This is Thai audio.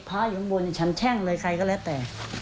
พ้าอยู่ขวงบนนะฉันแช่งเลยใครก็และแต่